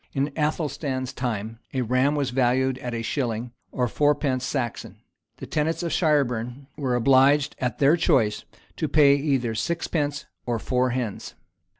In Athelstan's time, a ram was valued at a shilling, or fourpence Saxon.[] The tenants of Shireburn were obliged, at their choice, to pay either sixpence or four hens.